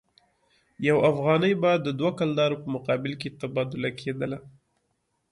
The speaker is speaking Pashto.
یو افغانۍ به د دوه کلدارو په مقابل کې تبادله کېدله.